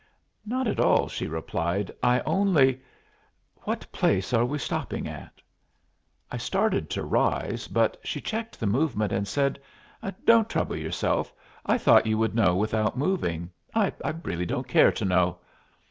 "Not at all," she replied. "I only what place are we stopping at?" I started to rise, but she checked the movement and said, "Don't trouble yourself. I thought you would know without moving. I really don't care to know."